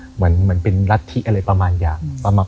เหมือนเป็นรัฐธิอะไรประมาณอย่าง